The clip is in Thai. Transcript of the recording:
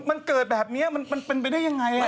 มันเกิดแบบนี้มันเป็นไปได้ยังไง